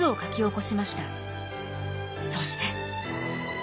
そして。